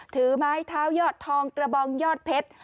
ถือไม้เท้ายอดทองกระบองยอดเพชร